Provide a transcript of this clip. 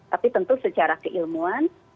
tapi tentu secara keilmuan